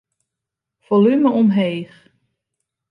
Folume omheech.